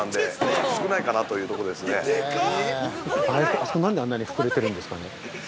あそこ、なんであんなに膨れてるんですかね。